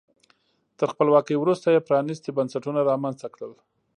تر خپلواکۍ وروسته یې پرانیستي بنسټونه رامنځته کړل.